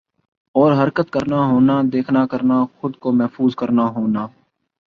اور حرکت کرنا ہونا دیکھنا کرنا خود کو محظوظ کرنا ہونا